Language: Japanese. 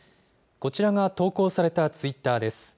こちらが投稿されたツイッターです。